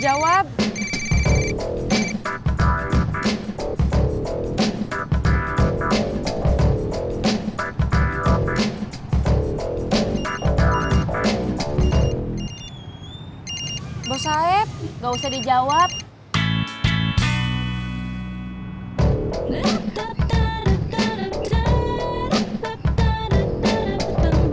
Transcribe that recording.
kalau kenapa hundred menang